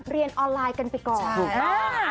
เรียนออนไลน์กันไปก่อนถูกมาก